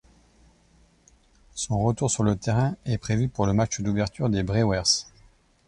Son retour sur le terrain est prévu pour le match d'ouverture des Brewers.